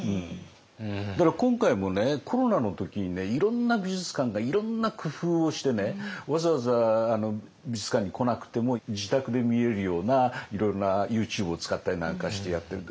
だから今回もコロナの時にねいろんな美術館がいろんな工夫をしてわざわざ美術館に来なくても自宅で見れるようないろいろなＹｏｕＴｕｂｅを使ったりなんかしてやってる。